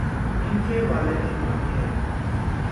ان کے والد امام تھے۔